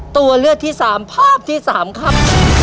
ตัวเลือกที่สามภาพที่สามครับ